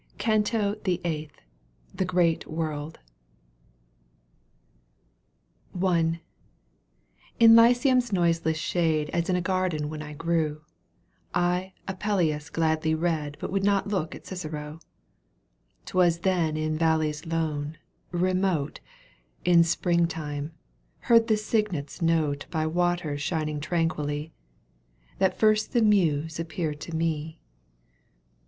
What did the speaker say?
CANTO THE EIGHTH* In the Lyceum's noiseless shade As in a garden when I grew, ^ I Apuleius gladly read But would not look at Cicero. ^, 'Twas then in valleys lone, remote, In spring time, heard the cygnet's note 4 By waters shining tranquilly, That first the Muse appeared to me.